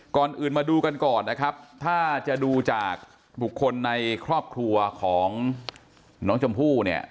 ก่อนอื่นมาดูกันก่อนนะครับถ้าจะดูจากบุคคลในครอบครัวของน้องชมพู่เนี่ย